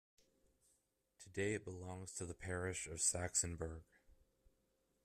Today it belongs to the parish of Sachsenberg.